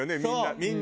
みんな。